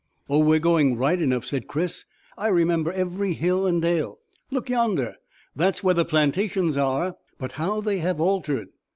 "Oh, we're going right enough," said Chris. "I remember every hill and dale. Look yonder; that's where the plantations are. But how they have altered!"